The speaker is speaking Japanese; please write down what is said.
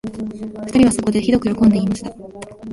二人はそこで、ひどくよろこんで言いました